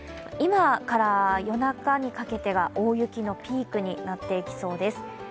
今から夜中にかけては大雪のピークになっていきそうです。